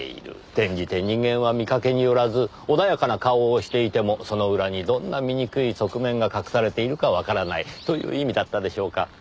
転じて人間は見かけによらず穏やかな顔をしていてもその裏にどんな醜い側面が隠されているかわからない。という意味だったでしょうか。